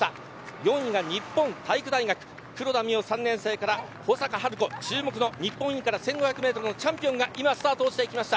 ４位が日本体育大学黒田澪３年生から保坂晴子、注目の日本インカレ１５００メートルチャンピオンがスタートしていきました。